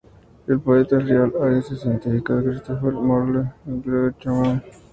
El poeta rival es, a veces, identificado con Christopher Marlowe o con George Chapman.